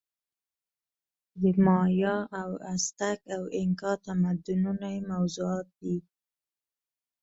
د مایا او ازتک او اینکا تمدنونه یې موضوعات دي.